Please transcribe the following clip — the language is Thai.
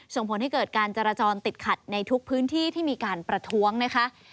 ส่งผลให้เกิดการจราจรติดขัดในทุกพื้นที่ที่มีการประท้วงนะคะ